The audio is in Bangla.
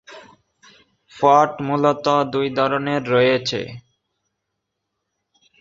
পট মূলত দুই ধরনের রয়েছে।